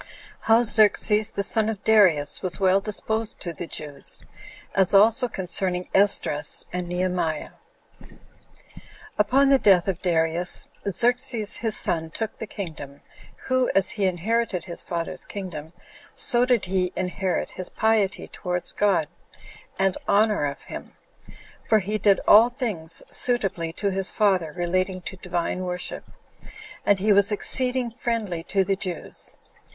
How Xerxes The Son Of Darius Was Well Disposed To The Jews; As Also Concerning Esdras And Nehemiah. 1. Upon the death of Darius, Xerxes his son took the kingdom, who, as he inherited his father's kingdom, so did he inherit his piety towards God, and honor of him; for he did all things suitably to his father relating to Divine worship, and he was exceeding friendly to the Jews.